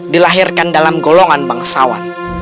dilahirkan dalam golongan bangsawan